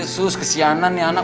sus kesianan ya anak